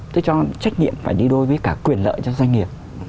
thế cho trách nhiệm phải đi đôi với cả quyền lợi cho doanh nghiệp